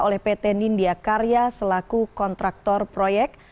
oleh pt nindya karya selaku kontraktor proyek